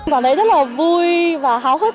vào đấy rất là vui và hào hức